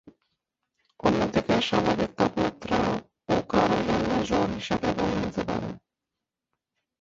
অন্য দিকে স্বাভাবিক তাপমাত্রা ও কারও জন্য জ্বর হিসেবে গণ্য হতে পারে।